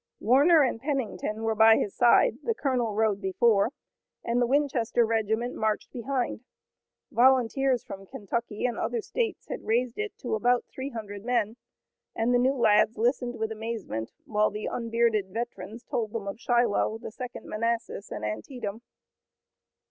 Warner and Pennington were by his side, the colonel rode before, and the Winchester regiment marched behind. Volunteers from Kentucky and other states had raised it to about three hundred men, and the new lads listened with amazement, while the unbearded veterans told them of Shiloh, the Second Manassas and Antietam.